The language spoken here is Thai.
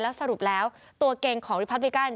แล้วสรุปแล้วตัวกูลีคพลั๊บอีกาน